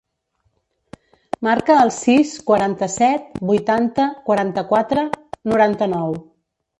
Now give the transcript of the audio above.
Marca el sis, quaranta-set, vuitanta, quaranta-quatre, noranta-nou.